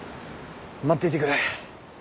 待っていてくれ。